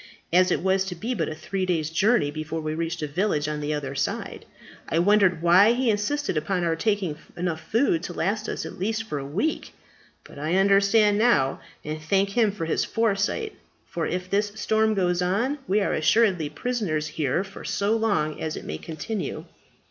As it was to be but a three days' journey before we reached a village on the other side, I wondered why he insisted upon our taking food enough to last us at least for a week. But I understand now, and thank him for his foresight; for if this storm goes on, we are assuredly prisoners here for so long as it may continue."